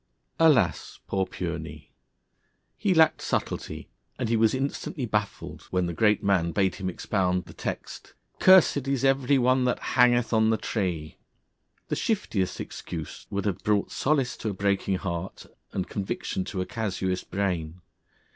Alas! Poor Pureney! He lacked subtlety, and he was instantly baffled, when the Great Man bade him expound the text: 'Cursed is every one that hangeth on a tree.' The shiftiest excuse would have brought solace to a breaking heart and conviction to a casuist brain.